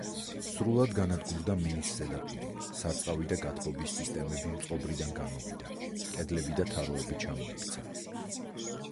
სრულად განადგურდა მინის ზედაპირი, სარწყავი და გათბობის სისტემები მწყობრიდან გამოვიდა, კედლები და თაროები ჩამოიქცა.